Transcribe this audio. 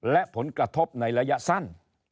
และผลกระทบในระยะสั้น